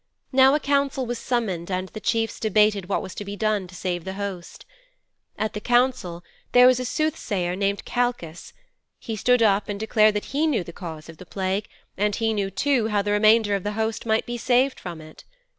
Now a council was summoned and the chiefs debated what was to be done to save the host. At the council there was a soothsayer named Kalchas; he stood up and declared that he knew the cause of the plague, and he knew too how the remainder of the host might be saved from it.